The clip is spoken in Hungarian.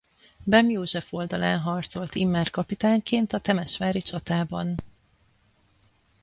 Bem József oldalán harcolt immár kapitányként a temesvári csatában.